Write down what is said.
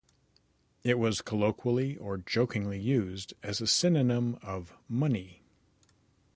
It was colloquially or jokingly used as a synonym of "money".